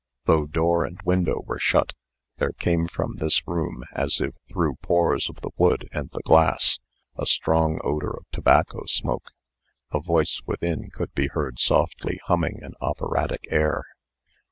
Though door and window were shut, there came from this room, as if through pores of the wood and the glass, a strong odor of tobacco smoke. A voice within could be heard softly humming an operatic air.